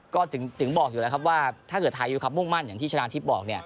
ก็ถึงบอกอยู่แล้วถ้าเกิดทายอยู่ครับมุ่งมั่นอย่างที่ชนะทิศบอก